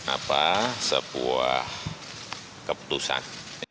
apa sebuah keputusan